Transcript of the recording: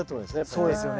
そうですよね。